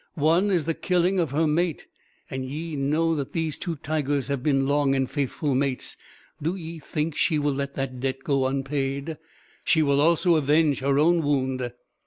One is the killing of her mate and ye know that these two tigers have been long and faithful mates. Do ye think she will let that debt go unpaid? She will also avenge her own wound."